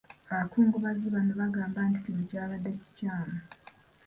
Abakungubazi bano bagamba nti kino kyabadde kikyamu.